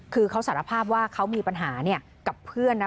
คือเขาสารภาพว่าเขามีปัญหากับเพื่อนนะ